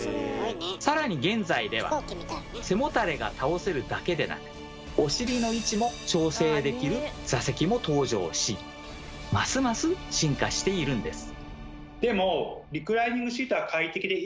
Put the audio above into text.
更に現在では背もたれが倒せるだけでなくお尻の位置も調整できる座席も登場しますます進化しているんです。